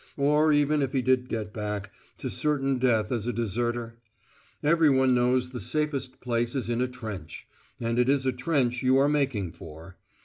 Or, even if he did get back, to certain death as a deserter? Everyone knows the safest place is in a trench; and it is a trench you are making for.